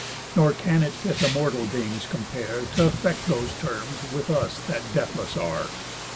Nor can it fit a mortal dame's compare, T' affect those terms with us that deathless are."